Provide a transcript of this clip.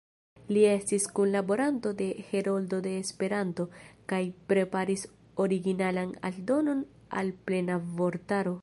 Li estis kunlaboranto de "Heroldo de Esperanto" kaj preparis originalan aldonon al „Plena Vortaro“.